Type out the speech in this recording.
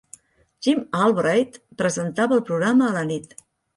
Jim Albright presentava el programa a la nit.